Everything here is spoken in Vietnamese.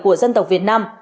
của dân tộc việt nam